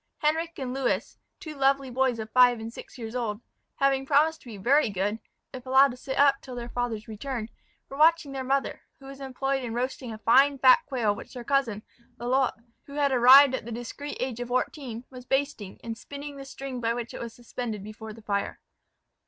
Henric and Lewis, two lovely boys of five and six years old, having promised to be very good, if allowed to sit up till their father's return, were watching their mother, who was employed in roasting a fine fat quail which their cousin, Lalotte, who had arrived at the discreet age of fourteen, was basting, and spinning the string by which it was suspended before the fire.